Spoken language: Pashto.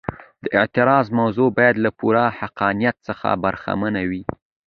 د اعتراض موضوع باید له پوره حقانیت څخه برخمنه وي.